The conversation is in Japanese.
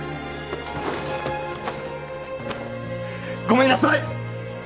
ごめんなさい！